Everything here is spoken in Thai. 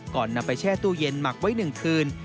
นำไปแช่ตู้เย็นหมักไว้๑คืน